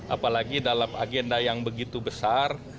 apalagi dalam agenda yang begitu besar